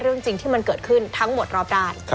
เรื่องจริงที่มันเกิดขึ้นทั้งหมดรอบด้าน